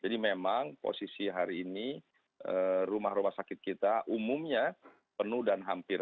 jadi memang posisi hari ini rumah rumah sakit kita umumnya penuh dan hampir